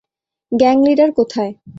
Gang leader কোথায়?